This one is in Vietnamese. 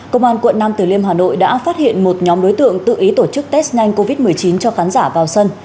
công an quận nam từ liêm hà nội đã phát hiện một nhóm đối tượng tự ý tổ chức test nhanh covid một mươi chín cho khán giả vào sân